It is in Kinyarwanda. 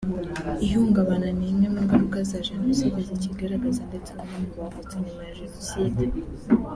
Ihungabana ni imwe mu ngaruka za Jenoside zikigaragaza ndetse no mu bavutse nyuma ya jenoside